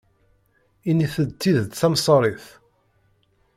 Init-d tidet tamsarit.